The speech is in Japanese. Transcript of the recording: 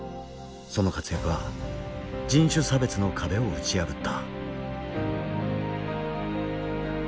その活躍は人種差別の壁を打ち破った。